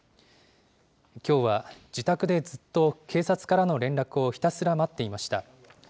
きょうは自宅でずっと警察からの連絡をひたすら待っていました。